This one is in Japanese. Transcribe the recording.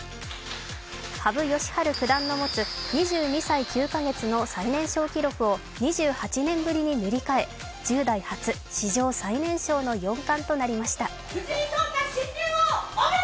羽生善治九段の持つ２２歳９カ月の最年少記録を最年少記録を２８年ぶりに塗り替え、１０代初史上最年少の四冠となりました。